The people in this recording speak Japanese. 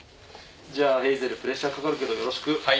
じゃあヘイゼルプレッシャー掛かるけどよろしく。